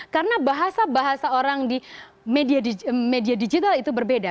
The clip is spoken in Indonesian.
karena bahasa bahasa orang di media digital itu berbeda